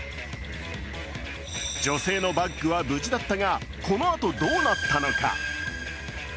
女性のバッグは無事だったがこのあとどうなったのか？